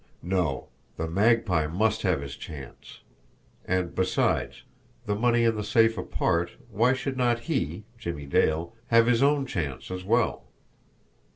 No; the Magpie must have his chance! And, besides, the money in the safe apart, why should not he, Jimmie Dale, have his own chance, as well?